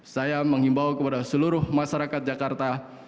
saya menghimbau kepada seluruh masyarakat jakarta